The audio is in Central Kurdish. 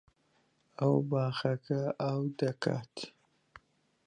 ئەو باخەکە ئاو دەکات.